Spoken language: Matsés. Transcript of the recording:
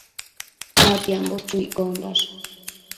Natiambo chu iccondash